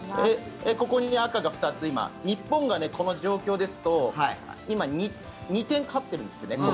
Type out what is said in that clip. ここに赤が２つ今、日本がこの状況ですと今、２点勝っているんですね。